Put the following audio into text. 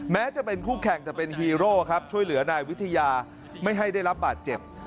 แม้จะเป็นคู่แข่งแต่เป็นฮีโร่ครับช่วยเหลือนายวิทยาไม่ให้ได้รับบาดเจ็บ